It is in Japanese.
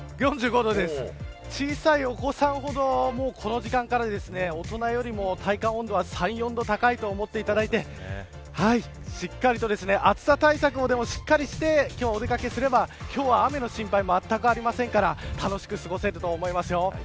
小さいお子さんほどこの時間から大人よりも体感温度は３、４度高いと思っていただいて暑さ対策をしっかりしてお出掛けすれば今日は雨の心配はまったくありませんから楽しく過ごせると思います。